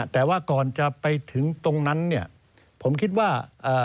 แต่ว่าก่อนจะไปถึงตรงนั้นเนี่ยผมคิดว่า